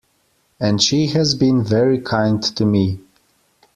And she has been very kind to me.